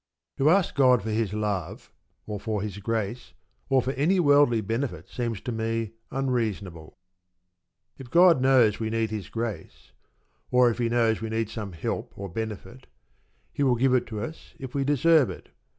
To ask God for His love, or for His grace, or for any worldly benefit seems to me unreasonable. If God knows we need His grace, or if He knows we need some help or benefit, He will give it to us if we deserve it.